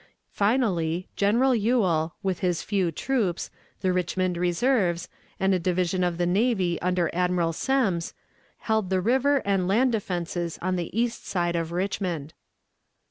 Finally, General Ewell with a few troops, the Richmond reserves, and a division of the navy under Admiral Semmes, held the river and land defenses on the east side of Richmond.